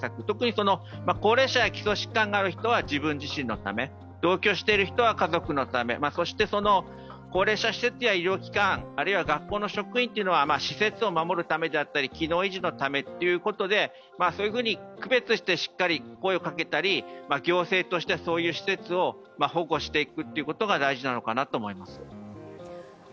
特に高齢者や基礎疾患がある人は自分自身のため、同居している人は家族のため、そして、高齢者施設や医療機関学校の職員というのは施設を守るためであったり、機能維持のためということで、そう区別して、しっかり声をかけたり、行政として、そういう施設を保護していくということが大事なのかなと思います。